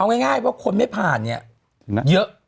เอาง่ายว่าคนไม่ผ่านเนี่ยเยอะ